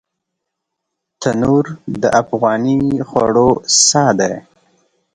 تنور د افغاني خوړو ساه ده